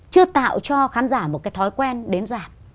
chưa tạo cho khán giả một cái thói quen đến giảm